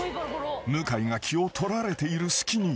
［向井が気を取られている隙に］